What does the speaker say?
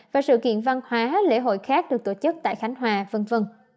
và sự kiện văn hóa lễ hội khác được tổ chức tại khánh hòa v v